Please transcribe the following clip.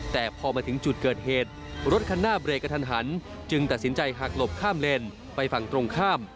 แต่พอมาถึงจุดเกิดเหตุรถคันหน้าเบรกกระทันหันจึงตัดสินใจหักหลบข้ามเลนไปฝั่งตรงข้าม